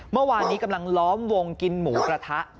เมื่อวานนี้กำลังล้อมวงกินหมูกระทะ